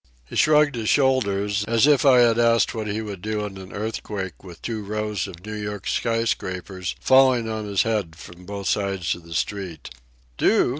He shrugged his shoulders, as if I had asked what he would do in an earthquake with two rows of New York skyscrapers falling on his head from both sides of a street. "Do?"